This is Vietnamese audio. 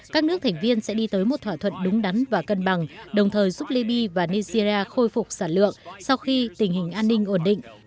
các nước thành viên sẽ đi tới một thỏa thuận đúng đắn và cân bằng đồng thời giúp libya và nigeria khôi phục sản lượng sau khi tình hình an ninh ổn định